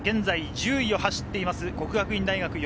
現在、１０位を走っている國學院大學